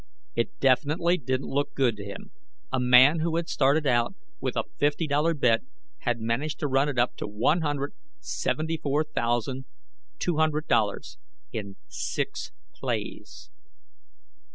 It definitely didn't look good to him. A man who had started out with a fifty dollar bet had managed to run it up to one hundred seventy four thousand two hundred dollars in six plays.